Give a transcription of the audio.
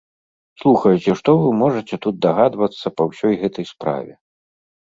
Слухайце, што вы можаце тут дагадвацца ва ўсёй гэтай справе?